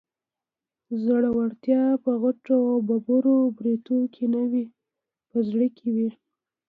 زړورتيا په غټو او ببرو برېتو کې نه وي، په زړه کې وي